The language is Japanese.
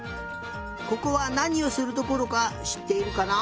ここはなにをするところかしっているかな？